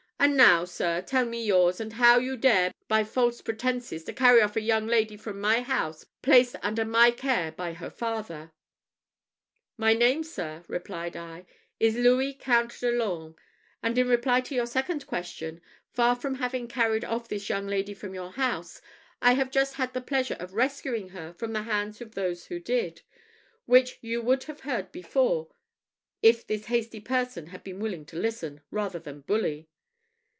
and now, sir, tell me yours; and how you dare, by false pretences, to carry off a young lady from my house, placed under my care by her father?" "My name, sir," replied I, "is Louis Count de l'Orme; and in reply to your second question, far from having carried off this young lady from your house, I have just had the pleasure of rescuing her from the hands of those who did which you would have heard before, if this hasty person had been willing to listen, rather than bully."